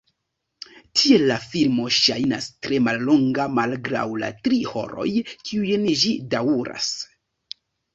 Tiel la filmo ŝajnas tre mallonga malgraŭ la tri horoj kiujn ĝi daŭras.